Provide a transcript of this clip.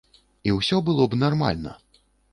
І ўсё было б нармальна.